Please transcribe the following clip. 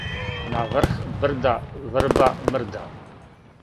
На врх брда врба мрда.